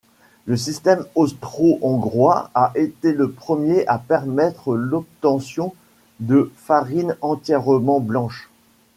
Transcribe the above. Le système austro-hongrois a été le premier à permettre l'obtention de farine entièrement blanche.